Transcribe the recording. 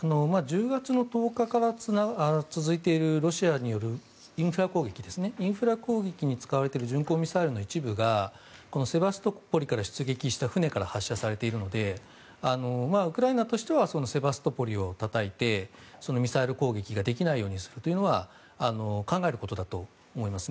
１０月１０日から続いているロシアによるインフラ攻撃に使われている巡航ミサイルの一部がセバストポリから出撃した船から発射されているのでウクライナとしてはセバストポリをたたいてミサイル攻撃ができないようにするというのが考えることだと思います。